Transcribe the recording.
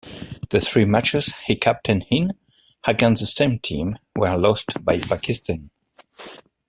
The three matches he captained in, against the same team, were lost by Pakistan.